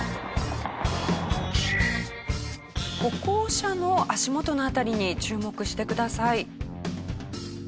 歩行者の足元の辺りに注目してください。